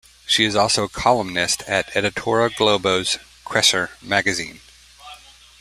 She is also a columnist at Editora Globo's "Crescer" magazine.